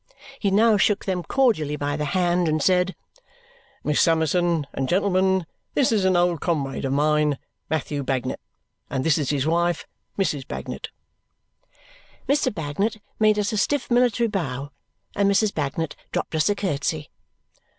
He now shook them cordially by the hand and said, "Miss Summerson and gentlemen, this is an old comrade of mine, Matthew Bagnet. And this is his wife, Mrs. Bagnet." Mr. Bagnet made us a stiff military bow, and Mrs. Bagnet dropped us a curtsy.